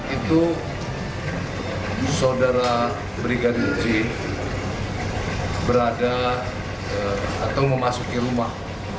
itu saudara brigadir j berada atau memasuki rumah